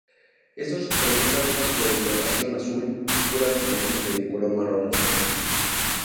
Estos presentan una coloración azul oscura con manchas de color marrón oscuro.